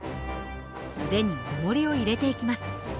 腕におもりを入れていきます。